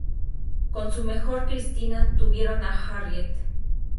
Con su mujer Christina tuvieron a Harriet.